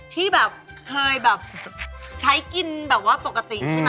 ที่เคยใช้กินแบบปกติใช่ไหม